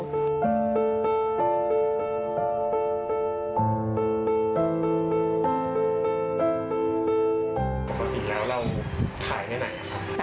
แล้วเราขายในไหนครับ